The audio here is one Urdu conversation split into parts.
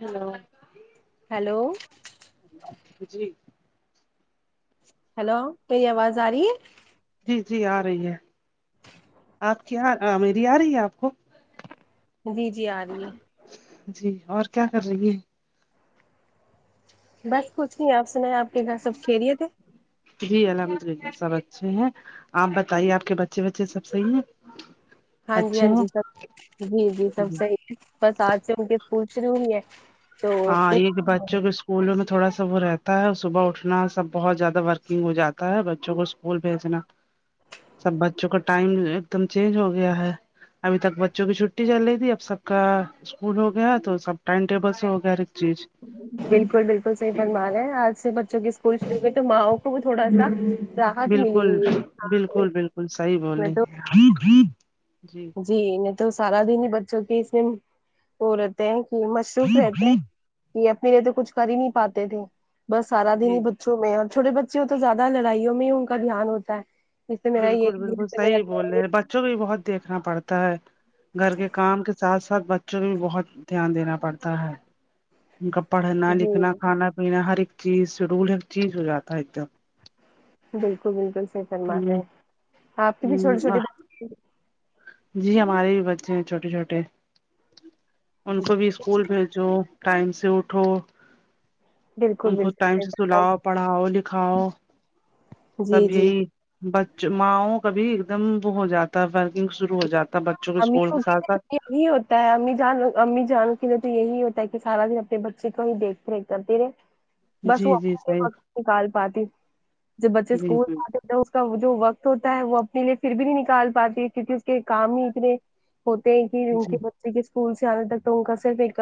ہلو ہیلو جی ہیلو میری آواز آ رہی ہے جی جی آ رہی ہے آپ کی ہاں میری آرہی ہے آپ کو جی جی آ رہی ہے جی اور کیا کر رہی ہے بس کچھ نہیں آپ سنایں آپ کے گھر سب خیریت ہے جی الحمد للہ سب اچھے ہیں آپ بتائیے آپ کے بچے وچے سب صحیح ہیں ہاں جی اچھے ہاں جی ہیں سب جی جی سب سحیح بس آج سے ان کے اسکول شروع ہوئی ہے تو ہاں یے کی بچوں کے اسکولوں میں تھوڑا سا وہ رہتا ہے اور صبح اٹھنا سب بہت زیادہ ورکنگ ہو جاتا ہے بچوں کو اسکول بھیجنا سب بچوں کا ٹائم ایک دم چینج ہو گیا ہے ابھی تک بچوں کی چھٹی چل رہی تھی اب سب کا اسکول ہو گیا تو سب ٹائم ٹیبل [unintelligible] چیز بالکل بالکل صحیح فرمان ہے آج سے بچوں کے اسکول شروع ہوئے تو ماؤں کو بھی تھوڑا سا راحت ملی بالکل ہوئی ہے بالکل بالکل صحیح بول میں رہے تو ہیں جی جی تو سارا دن ہی بچوں کی اس میں وہ رہتے ہیں کہ مصروف رہتے ہیں کہ اپنے لیے تو کچھ کر ہی نہیں پاتے تھے بس سارا دن ہی جی بچوں میں اور چوٹے بچے ہو تو زیادہ لڑائیوں میں ہی ان کا دھیان ہوتا ہے اس سے میرا یہ بالکل بالکل میرا صحیح بول رہے ہیں بچوں کو بھی بہت دیکھنا پڑتا ہے گھر کے کام کے ساتھ ساتھ بچوں کو بھی بہت دھیان دینا پڑتا ہے ان کا پڑھنا جی لکھنا کھانا پینا ہر ایک چیز شیڈول ہر چیز ہو جاتا ہے ایک دم بالکل بالکل سہی فر مار رہے دم ہیں آپ کے بھی چھوٹے ہ ہ چھوٹے بچے ہیں۔ جی ہمارے بھی بچے ہیں چھوٹے چھوٹے ان کو بھی اسکول بھیجو ٹائم سے اٹھو بالکل ان کو بالکل ٹائم صحیح سے فرما سلاؤ پڑھاؤ لکھاؤ جی سب جی یہی بچ ماں کا بھی ایک دم وہ ہو جاتا ہے ورکن شروع ہو جاتا بچوں کے اسکول کے امیوں ساتھ لیے ساتھ تو یہی ہوتا ہے امی جان امی جانوں کے لیے تو یہی ہوتا ہے کہ سارا دن اپنے بچے کو ہی دیکھ کرتی رہے بس جی وہ جی اپنے صحیح وقت نکال پاتی جب بچے جی اسکول جی جاتے اس کا جو وقت ہوتا ہے وہ اپنے لیے پھر بھی نہیں نکال پاتی ہے کیونکہ اس کے کام ہی اتنے ہوتے ہیں کہ وہ جی جن کے بچ اسکول سے آنے تک تو ان کا صرف ایک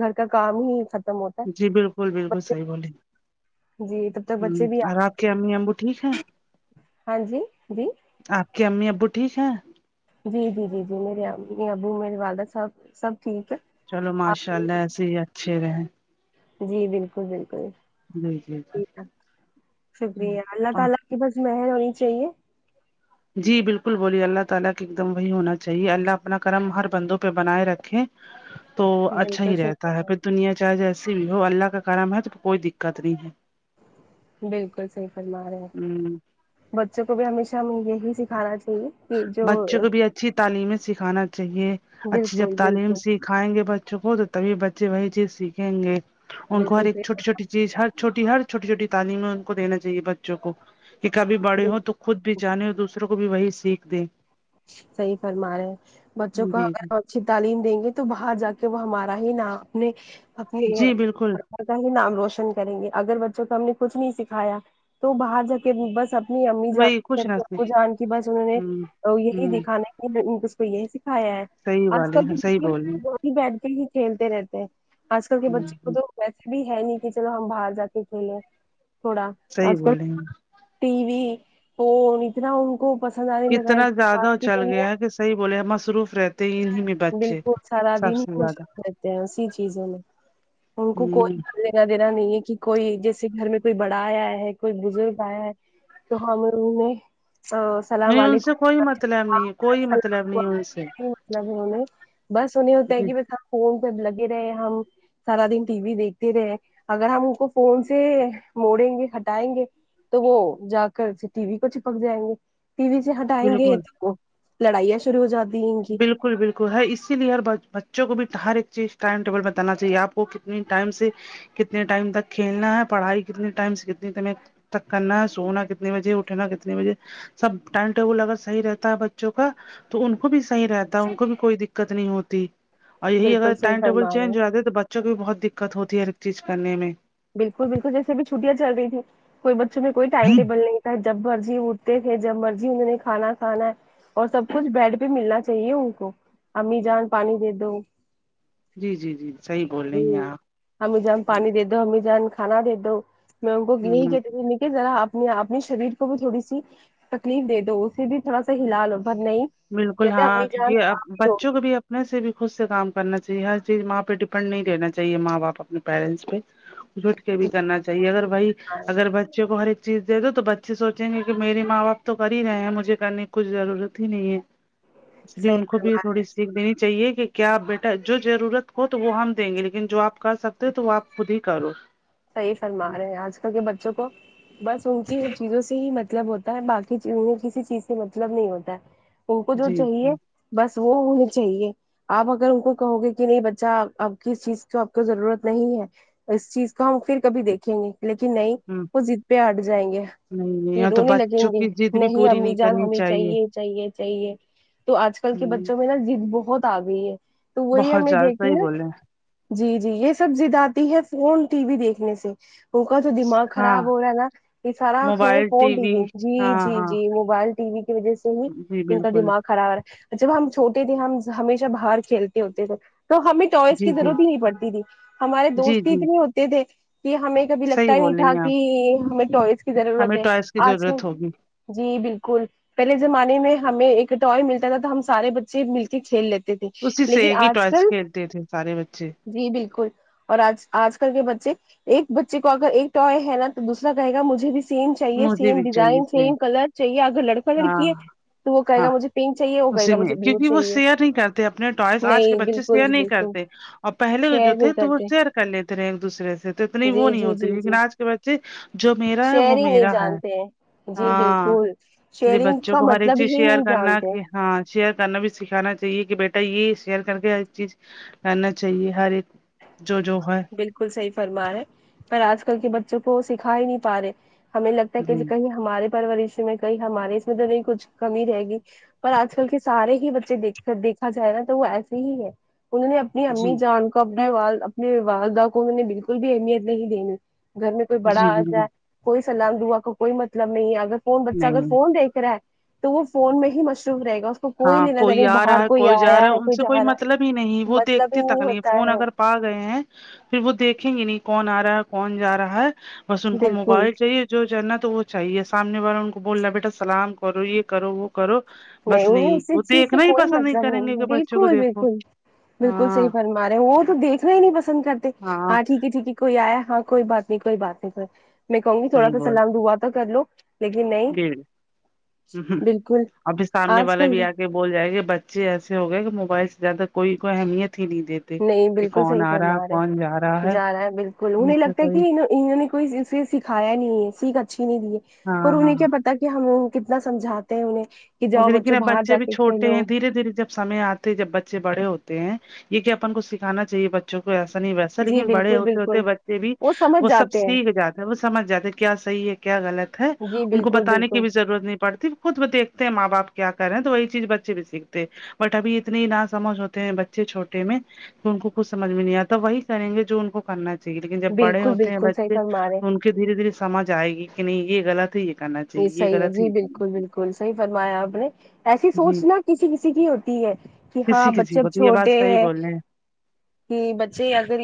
گھر کا کام ہی ختم ہوتا ہے جی بالکل بالکل بچے صحیح بولییں جی تب تک ہم بچے بھی آ اور آپ کے امی ابو ٹھیک ہے ہاں جی جی آپ کے امی ابو ٹھیک ہیں جی جی جی جی میرے ابو میرے والد سب سب ٹھیک ہے چلو آپ ماشاء اللہ ایسے ہی اچھے رہےیں جی بالکل بالکل جی جی جی شکریہ اللہ اور تعالی کی بس مہر ہونی چاہیے جی بالکل بولیے اللہ تعالی کے ایک دم وہی ہونا چاہیے اللہ اپنا کرم ہر بندوں پہ بنائے رکھیں تو اچھا بالکل ہی صحیح رہتا ہے فرما رہے پھر دنیا چاہے جیسی بھی ہو اللہ کا کرم ہے تو کوئی دکت نہیں ہے بالکل صحیح فرمارہے ہے ہ بچوں کو بھی ہمیشہ یہی سکھانا چاہیے کہ جو بچوں کو بھی اچھی تعلیمیں سکھانا چاہیے اچھی جب بالکل تعلیم بالکل سیکھ کائیںگے بچوں کو تو تبھی بچے وہی چیز سیکھیںگے ان کو ہر بالکل ایک صحیح چھوٹی چھوٹی فرما چیز ہر چھوٹی ہر چھوٹی چھوٹی تعلیمیں ان کو دینا چاہیے بچوں کو کہ کبھی بڑے ہو بالکل تو خود بھی جانے اور دوسروں کو بھی وہی سیکھ دیں صحیح فرما رہے ہیں بچوں کو جی جی اگر اچھی تعلیم دیںگے تو باہر جا کے وہ ہمارا ہی نام اپنے اپنے جی بالکل اپنا ہی نام روشن کریگے اگر بچوں کو ہم نے کچھ نہیں سکھایا تو باہر جا کےبھی بس اپنی امی جان وہی [unintelligible] کچھ نہ ہ ابو جان کی بس میں نے آ، یہی ہ دیکھانا ہے اس کو یہی سکھایا ہے صحیح آج والے کل ہیں صحیح بولے کے [inaudible] بیٹھ کے ہی کھیلتے رہتے ہیں آج کل کے بچوں کو ہ تو ویسے بھی ہے نہیں کہ چلو ہم باہر جا کے کھیلیں تھوڑا صحیح آج کل بولے ہیں۔ ٹی وی تو اتنا ان کو پسند آنے لگا ہے اتنا باہر زیادہ کی چل دنیا گیا ہے کہ صحیح بولے ہم مصروف رہتے ہیں ہی ان میں بچے بالکل سارا سب دن سے زیادہ مصروف رہتے ہیں اسی چیزوں میں ان کو کوئی ہ لینا دینا نہیں ہے کہ کوئی جیسے گھر میں کوئی بڑا آیا ہے کوئی بزرگ آیا ہے تو ہم انھیں السلام نہیں ان سے علیکم کوئی مطلب نہیں ہے کوئی مطلب نہیں ہے ان سے [unintelligible] بس انہیں ہوتا ہے جی کی کب فون پہ لگے رہے ہم سارا دن ٹی وی دیکھتے رہے اگر ہم ان کو فون سے موڑیںگے ہٹائیںگے تو وہ جا کر پھر ٹی وی کو چپک جائیںگے ٹی وی سے ہٹائیںگے بالکل تو وہ لڑائیاں شروع ہو جاتی ہے انکی بالکل بالکل ہر اسلیے ہر بچوں کو بھی ہر ایک چیز ٹائم ٹیبل بتانا چاہیے آپ کو کتنی ٹائم سے کتنے ٹائم تک کھیلنا ہے پڑھائی کتنے ٹائم سے کتنے ٹائم تک کرنا سونا کتنے بجے اٹھنا کتنے بجے سب ٹائم ٹیبل اگر صحیح رہتا ہے بچوں کا تو ان کو بھی صحیح رہتا ان کو بھی کوئی دککت نہیں ہوتی اور یہی اگر بالکل صحیح ٹائم ٹیبل فرما رہے چینج ہوا تو بچوں بچوں کو بہت دککت ہوتی ہے ہر ایک چیز کرنے میں بالکل بالکل جیسے ا بھی چھٹیاں چل رہی تھی کوئی بچوں میں کوئی ٹائم ٹیبل نہیں تھا جب مرضی اٹھ تھے جب مرضی انہوں نے کھانا کھانا ہے اور سب کچھ بیڈ پہ ملنا چاہیے ان کو امی جان پانی دے دو جی جی جی صحیح بول رہی ہیں ہمم آپ امی جان پانی دے دو امی جان کھانا دے دو میں ان کو یہی ہ کہتی [unintelligible] ذرا آپ اپنی شریر کو بھی تھوڑی سی تکلیف دے دو اسے بھی تھوڑا سا ہلالو بالکل ہاں کیونکی اب ہی لوگ بچوں کو بھی آب ویسے بھی خود سے کام کرنا چاہیے ہر چیز ماں پہ ڈپینڈ نہیں دینا چاہیے ماں باپ اپنے پییرنٹس پہ جٹ کے بھی کرنا چاہیے اگر بھائی کھا رہے ہیں اگر بچے کو ہر ایک چیز دے دو تو بچے سونچے گے کہ میرے ماں باپ تو کر ہی رہے ہیں مجھے کرنے کی کچھ ضرورت بھی نہیں ہے اس لیے ان صحیح کو فرما بھی تھوڑی سی سیکھ دینی چاہیے کہ کیا بیٹا جو ضرورت ہو تو وہ ہم دیںگے لیکن جو آپ کر سکتے ہو تو آپ خود ہی کرو صحیح فرما رہے ہیں آج کل کے بچوں کو بس ان کی ہی چیزوں سے ہی مطلب ہوتا ہے باقی کسی چیز سے مطلب نہیں ہوتا ہے ان کو جو جی چاہیے ہ بس وہ ہونی چاہیے آپ اگر ان کو کہو گے کہ نہیں بچہ اب کس چیز کو آپ کو ضرورت نہیں ہے اس چیز تو ہم پھر کبھی دیکھیں گے لیکن نہیں وہ ضد پہ ہٹ جائیں گے نہیں نہیں یہ یہاں تو رونے بچوں لگیں گے کی ضد بھی نہیں پوری امی جان کرنی ہمیں چاہیے چاہیے چاہیے تو آج کل ہ کے بچوں میں نا ضد بہت آ گئی ہے تو وہی ہم بہت نے زیادہ دیکھی صحیح نا بولے ہیں۔ جی جی یہ سب ضد آتی ہے فون ٹی وی دیکھنے سے وہکا تو دماغ ہاں خراب ہو رہا ہے نا یہ سارا خ موبائل فون ٹی وی جی ہاں جی ہاں جی وہ موبائل ٹی وی کی وجہ سے ہی جی ان کا بالکل دماغ خرابا جب ہم چھوٹے تھے ہم ہمیشہ باہر کھیلتے ہوتے تھے تو ہمیں ٹوائس کی جی جی ضرورت ہی نہیں پڑتی تھی ہمارے جی دوست ہی جی اتنے ہوتے تھے کہ ہمیں کبھی صحیح لگتا ہی نہیں بول رہی تھا ہیں کہ آپ ہمیں ٹوائس کی ضرورت ہمیں ہے ٹوائس کی آج کل ضرورت ہوگی جی بالکل پہلے زمانے میں ہمیں ایک ٹوائے ملتا تھا تو ہم سارے بچے مل کے کھیل لیتے تھے اسی سے لیکن ایک ہی آج ٹوائس کل کھیلتے تھے سارے بچے جی بالکل اور آج آج کر کے بچے ایک بچے کو اگر ایک ٹائے ہے نا تو دوسرا کہے گا مجھے بھی سیم چاہیے مجھے سیم بھی چاہیے ڈیزائن سیم کلر چاہیے اگر لڑکا ہاں لڑکی ہے تو وہ کہے ہاں گا مجھے پنک چاہیے وہ کہے اسی گا میں مجھے بلو کیونکہ وہ چاہیے شیئر نہیں کرتے اپنے ٹوائس آج کے نہیں بچے بالکل شیئر نہیں بالکل کرتے اور پہلے کے جو شیئر تھے نہیں تو وہ کرتے شیر کر لیتے رہے ایک دوسرے سے تو اتنی وہ جی نہیں جی ہوتی جی لیکن جی آج کے بچے جو میرا ہے وہ شیئرنگ نہیں میرا ہے جانتے ہیں جی ہاں بالکل اسے شیئرنگ بچوں کا کو ہر ایک مطلب چیز ہی شیئر نہیں کرنا جانتے کہ ہاں شیئر کرنا بھی سکھانا چاہیے کہ بیٹا یہ شیئر کر کے ہر چیز کرنا چاہیے ہر ایک جو جو ہے بالکل صحیح فرما ہے پر آج کل کے بچوں کو سکھا ہی نہیں پا رہے ہمیں لگتا ہے جی کہ کہیں ہمارے پرورش میں کہیں ہمارے اس میں تو نہیں کچھ کمی رہے گی پر آج کل کے سارے ہی بچے د دیکھا جائے نا تو وہ ایسے ہی ہے انہوں نے نہیں جی امی جان کو اپنے وال اپنےوالدہ کو مے نے بالکل بھی اہمیت نہیں دنی گھر میں کوئی بڑا جی آ بالکل جائے کوئی سلام دعا کا کوئی مطلب نہیں ہے اگر فون بچہ نہیں اگر نہیں فون دیکھ رہا ہے تو وہ فون میں ہی مشرور رہے گا کو ہاں لینا دینا کوئی نہیں آ رہا باہر ہے کوئی جا آیا رہا ہے ان سے کوئی جا رہا ہے مطلب ہی نہیں وہ مطلب دیکھتی ہی تک نہیں ہوتا فون ہے اگر پا گئے ہیں پھر وہ دیکھیں گے نہیں کون آ رہا ہے کون جا رہا ہے بس ان کو بالکل موبائل چاہیے جو جاننا تو وہ چاہیے سامنے والا ان کو بولنا بیٹا سلام کرو یہ کرو وہ کرو بس نہیں انہیں نہیں اسی وہ چیز سے دیکھنا ہی کوئی پسند مطلب کریں گے نہیں کہ بچوں کو بالکل دیکھو بالکل بالکل ہاں صحیح فرمارے ہیں وہ تو دیکنا ہی نہیں پسند کرتے ہاں ٹھیک ہے ٹھیک ہے کوئی آیا ہاں کوئی بات نہیں کوئی بات نہیں کوئی میں کہوں گی تھوڑا صحیح سا بولا سلام دعا تو کر لو لیکن نہیں بالکل ابھی سامنے آج والا کل بھی آگ بول جائے کہ بچے ایسے ہو گئے کہ موبائل سے زیادہ کوئی کوئی اہمیت ہی نہیں دیتے نہیں کہ بالکل کون صحیح آ رہا فرما کون جا رہے جا رہا ہے بالکل ان نہیں سے لگتا کہ کوئی انہوں نے کوئی اسے سکھایا نہیں ہے سیکھ اچھی نہیں دی ہے ہاں پر انہیں ہاں کیا پتا ت کہ ہم ان کتنا سمجھاتے ہیں انہیں کہ جاؤ ہوگےیکن بچوں اب باہر بچے جا بھی کے چھوٹے کھیلو ہیں دھیرے دھیرے جب سمے آتے جب بچے بڑے ہوتے ہیں یہ کہ اپن کو سکھانا چاہیے ب بچوں کو ایسا نہیں ویسا جی لیکن بڑے بالکل ہوتے بالکل ہوتے بچے بھی سمجھ وہ سب جاتے ہیں سیکھ جاتا ہے وہ سمجھ جاتا ہے کیا صحیح ہے کیا غلط ہے جی ان کو بالکل بتے کی بالکل بھی ضرورت نہیں پڑتی خود بھی دیکھتے ہیں ماں باپ کیا کرے ہیں تو وہی چیز بچے بھی سیکھتے بٹ ابھی اتنے نہ سمجھ ہوتے ہیں بچے چھوٹے میں تو ان کو کچھ سمجھ میں نہیں آتا وہی کریں گے جو ان کو کرنا چاہیے لیکن جب بڑے بالکل ہوتے ہیں بالکل صحیح بچے فرما رہے ہیں ان کو کہ دھیرے دھیرے سج آئے گی کہ نہیں یہ غط ہے یہ کرنا چاہی یہ غلط ہے یہ کرنا چاہیے الکل صحی فرمایا آپ نے ایسی جی سوچنا کسی کسی کی ہوتی ہے کہ کسی ہاں کسی بچے اب کو تو یہ بات چھوٹے صحیح ہیں بول رہے کہ بچے اگر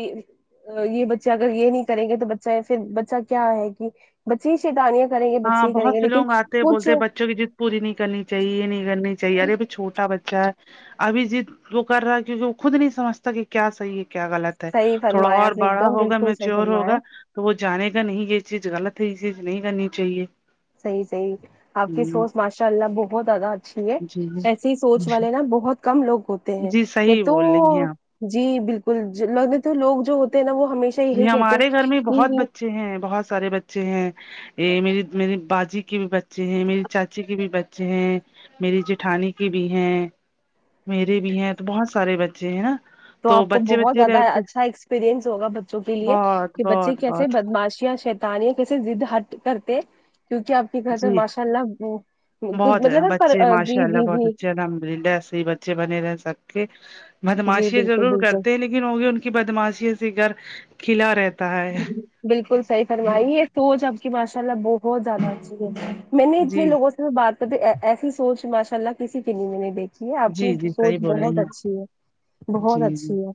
یہ بچے اگر یہ نہیں کریں گے تو بچہ پھر بچہ کیا ہے کہ بچے ہی شیتانیاں کریں گے ہاں بچے ہی کریں بہت گے سے لیکن لوگ آتے ہیں کچھ بولتے بچوں کے جیت پوری نہیں کرنی چاہیے یہ نہیں کرنی چاہیے ارے بھی چھوٹا بچا ہے ابھی جیت وہ کر رہا ہے کیونکہ وہ خود نہیں سمجتا کہ کیا صحیح ہے کیا غلط ہے صحیح تھوڑا فرمایا اور آپ نے ایک بڑا دم ہوگا بالکل صحیح میچور فرمایا ہوگا تو وہ جانے گا نہیں یہ چیز غلط ہے یہ چیز نہیں کرنی چاہیے صحیح صحیح آپ کی ہوں سوچ ماشاء اللہ بہت زیادہ اچھی ہے جی ایسے ہی سوچ والے نا بہت کم لوگ ہوتے ہیں جی نہیں صحیح تو بول رہی ہیں آپ جی بالکل لگے تو لوگ جو ہوتے ہیں نا وہ ہشہ جی ہمارے گھر میں بہت بچے ہیں بہت سارے بچے ہیں یہ میری میری باجی کے بھی بچے ہیں میری چاچی کے بھی بچے ہیں میری جیٹھانی کی بھی ہیں میرے بھی ہیں تو بہت سارے بچے ہیں نا تو آپ کو بچے بہت بچے زیادہ رہتے اچھا ایکسپییرئنس ہوگا بچوں کے لیے بہت کہ بچے بہت کیسے بہت بدماشیاں شیطانیاں کیسے زید ہٹ کرتے کیونکہ اب کہتے جی ماشاء اللہ ب بہت مطلب نا پر جی جی جی الحمدللہ سے بچے بنے رہے سب کے جی بدماشی بالکل ضرور بالکل کرتے ہیں لیکن ہوگی ان کی بدماشی سے گھرکھلا رہے بالکل صحیح فرمائی ہے تو جب کی ماشاء اللہ بہت زیادہ اچھی ہے میں نے اتنے جی لوگوں سے بات کرتی ایسی سوچ ماشاء اللہ کسی کی بھی نہیں دیکھی جی آپ کی جی سوچ صحیح بول رہی بہت ہیں اچھی ہے آپ۔ بہت جی اچھی ہے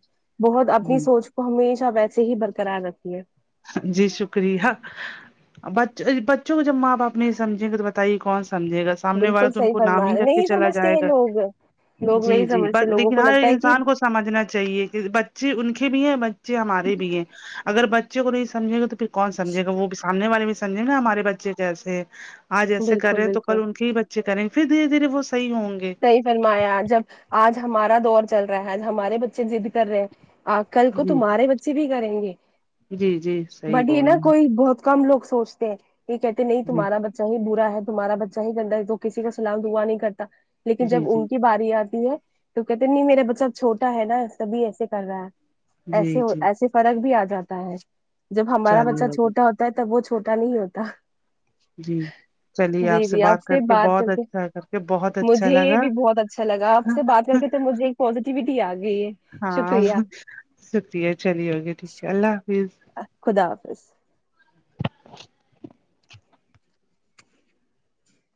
بہت آپ کی جی سوچ ہمیشہ ویسے ہی برقرار رکھئیے جی شکریہ اب بچ بچوں کو جب ماں باپ نہیں یہ سمجھینگے تو بتائیے کون سمجھے گا سامنے والا بالکل تو ان صحیح کو نام فرما ہی رہے رکھ کے نہیں چلا سمجھتے جائے ہیں گا لوگ لوگ جی نہیں جی سمجھتے بس لوگوں لیکن کو ہر لگتا ہے کہ انسان کو سمجھنا چاہیے کہ بچے ان کے بھی ہیں بچے ہمارے بھی ہیں اگر بچے کو نہیں سمجھے گا تو پھر کون سمجھے گا وہ سامنے والے بھی سمجھے نا ہمارے بچے جیسے آج ایسے کر بالکل رہے ہیں تو بالکل کل ان کے ہی بچے کریں گے پھر دھیرے دھیرے وہ صحیح ہوں گے صحیح فرمایا جب آج ہمارا دور چل رہا ہے آج ہمارے بچے ضد کر رہے ہیں آ کل کو جی تمہارے بچے بھی کریں گے جی جی صحیح بٹ یہ بول نا رہے ہیں کوئی بہت کم لوگ سوچتے ہیں یہ کہتے نہیں تمہارا جی بچہ ہی برا ہے تمہارا بچہ گندا ہے تو کسی کا سلام دعا نہیں کرتا لیکن جب جی جی ان کی باری آتی ہے تو کہتے نہیں میرا بچہ چھوٹا ہے نا تب بھی ایسے کر رہا ہے ایسے جی جی ہوتا ایسے فرق بھی آ جاتا ہے جب ہمارا بچہ چلیے چھوٹا ہوتا ہے تب وہ چھوٹا نہیں ہوتا جی چلیے آپ سے بات کر کے بہت اچھا کر کے بہت اچھا مجھے لگا بھی بہت اچھا لگا آپ سے بات کر کے تو مجھے ایک پزیٹیوٹی آ گئی ہے ہاں شکریہ شکریہ چلئیے اوکے ٹھیک ہے اللہ حافظ خدا حافظ